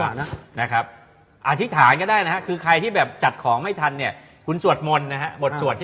เล็กเล็กเล็กเล็กเล็กเล็กเล็กเล็กเล็กเล็ก